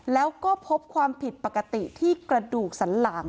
แล้วก็พบความผิดปกติที่กระดูกสันหลัง